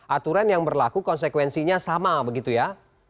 aturan yang berlaku konsekuensinya sama begitu ya